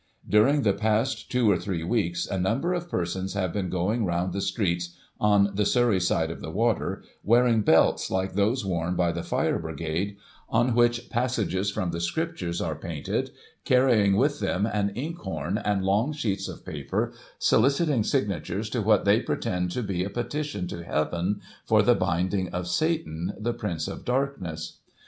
— During the past two or three weeks, a number of persons have been going round the streets, on the Surrey side of the water, wearing belts, like those worn by the fire brigade, on which passages from the Scriptures are painted, carrying with them an inkhorn and long sheets of paper, soliciting signatures to what they pretend to be a petition to Heaven, for the binding of Satan, the Prince of darkness.